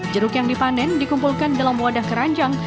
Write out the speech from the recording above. jeruk yang dipanen dikumpulkan dalam wadah keranjang